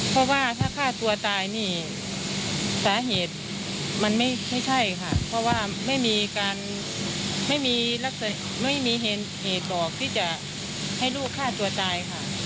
เพราะว่าถ้าฆ่าตัวตายนี่สาเหตุมันไม่ใช่ค่ะเพราะว่าไม่มีการไม่มีลักษณะไม่มีเหตุบอกที่จะให้ลูกฆ่าตัวตายค่ะ